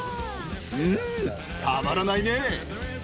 うーん、たまらないね。